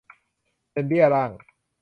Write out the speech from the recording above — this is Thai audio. เป็นเบี้ยล่าง